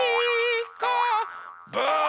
ブー！